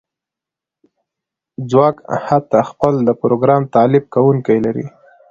ځواک حتی خپل د پروګرام تالیف کونکی لري